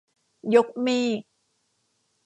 ยกเมฆ